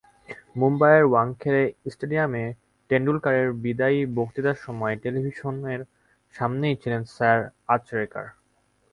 মুম্বাইয়ের ওয়াংখেড়ে স্টেডিয়ামে টেন্ডুলকারের বিদায়ী বক্তৃতার সময় টেলিভিশনের সামনেই ছিলেন স্যার আচরেকার।